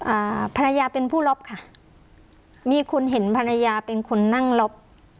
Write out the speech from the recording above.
อ่าภรรยาเป็นผู้รับค่ะมีคนเห็นภรรยาเป็นคนนั่งล็อบ